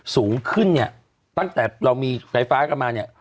สูงขึ้นเนี่ยตั้งแต่เรามีไฟฟ้ากันมาเนี่ย